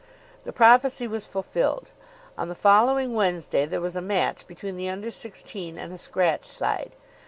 The prophecy was fulfilled. On the following Wednesday there was a match between the Under Sixteen and a scratch side.